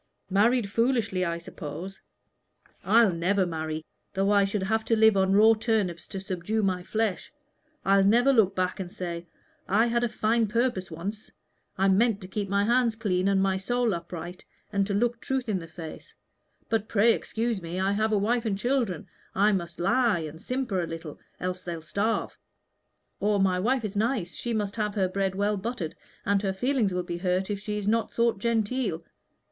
Married foolishly, I suppose. I'll never marry, though I should have to live on raw turnips to subdue my flesh. I'll never look back and say, 'I had a fine purpose once I meant to keep my hands clean and my soul upright, and to look truth in the face; but pray excuse me, I have a wife and children I must lie and simper a little, else they'll starve'; or 'My wife is nice, she must have her bread well buttered, and her feelings will be hurt if she is not thought genteel.'